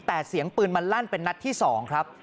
แต่เสียงปืนมันลั่นเป็นนัดที่๒ครับ